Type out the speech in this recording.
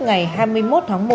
ngày hai mươi một tháng một